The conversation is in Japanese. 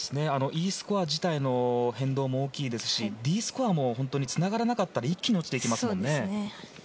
Ｅスコア自体の変動も大きいですしＤスコアもつながらなかったら一気に落ちていきますよね。